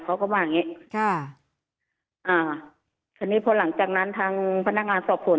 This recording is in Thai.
เขาก็ว่าอย่างงี้ค่ะอ่าทีนี้พอหลังจากนั้นทางพนักงานสอบสวน